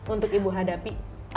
untuk ibu hadapi